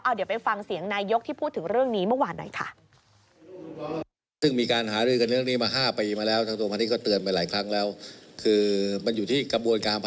เดี๋ยวไปฟังเสียงนายกที่พูดถึงเรื่องนี้เมื่อวานหน่อยค่ะ